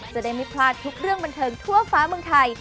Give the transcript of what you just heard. จะได้ไม่พลาดทุกเรื่องบันเทิงทั่วฟ้าเมืองไทย